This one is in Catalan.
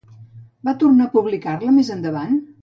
Van tornar a publicar-la més endavant?